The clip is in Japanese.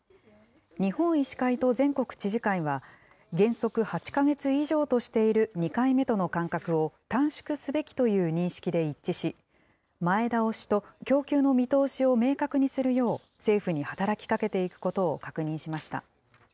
日本医師会と全国知事会は、原則８か月以上としている２回目との間隔を短縮すべきという認識で一致し、前倒しと供給の見通しを明確にするよう政府に働きかけていくことを確認しました。